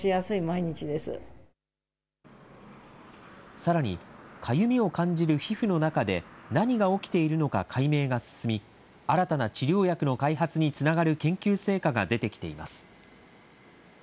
さらに、かゆみを感じる皮膚の中で何が起きているのか解明が進み、新たな治療薬の開発につながる研究成果が出てきています。